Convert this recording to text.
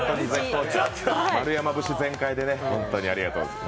丸山節全開でありがとうございます。